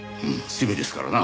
趣味ですからな。